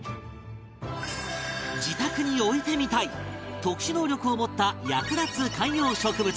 自宅に置いてみたい特殊能力を持った役立つ観葉植物